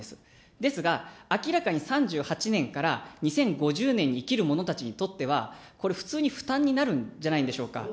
ですが、明らかに３８年から２０５０年に生きる者たちにとっては、これ普通に負担になるんじゃないでしょうか。